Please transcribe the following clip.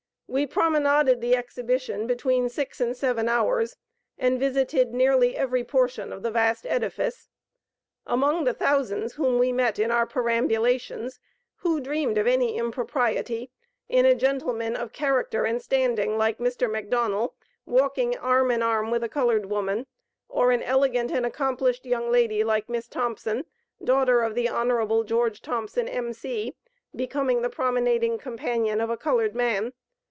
We promenaded the Exhibition between six and seven hours, and visited nearly every portion of the vast edifice. Among the thousands whom we met in our perambulations, who dreamed of any impropriety in a gentleman of character and standing, like Mr. McDonnell, walking arm in arm with a colored woman; or an elegant and accomplished young lady, like Miss Thompson, (daughter of the Hon. George Thompson, M.C.), becoming the promenading companion of a colored man?